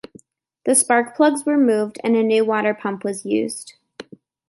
The spark plugs were moved and a new water pump was used.